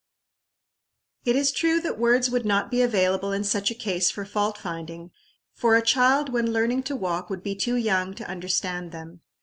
It is true that words would not be available in such a case for fault finding; for a child when learning to walk would be too young to understand them.